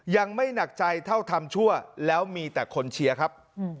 ยังไม่หนักใจเท่าทำชั่วแล้วมีแต่คนเชียร์ครับ